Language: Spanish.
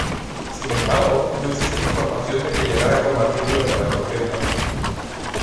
Sin embargo, no existe información de que llegara a combatir durante la contienda.